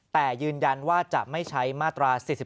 แต่ยืนยันว่าจะไม่ใช้มาตรา๔๔